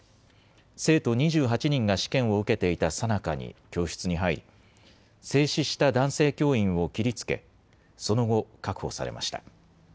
生徒２８人が試験を受けていたさなかに教室に入り、制止した男性教員を切りつけ、その後、確保されました。